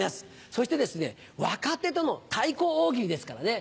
そして若手との対抗大喜利ですからね。